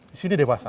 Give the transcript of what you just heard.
di sini dewasa